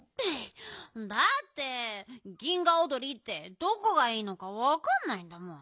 だって銀河おどりってどこがいいのかわかんないんだもん。